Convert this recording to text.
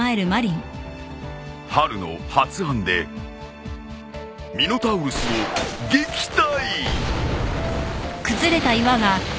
［ハルの発案でミノタウロスを撃退！］